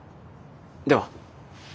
では。